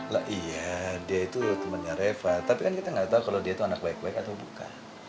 lah iya dia itu temennya reva tapi kan kita gak tau kalo dia tuh anak baik baik atau bukan